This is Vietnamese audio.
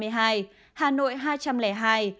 hà nội hai trăm linh hai